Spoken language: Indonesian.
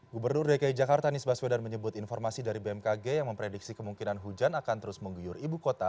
gubernur dki jakarta anies baswedan menyebut informasi dari bmkg yang memprediksi kemungkinan hujan akan terus mengguyur ibu kota